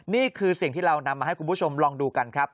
นี่คือสิ่งที่เรานำมาให้คุณผู้ชมลองดูกันครับ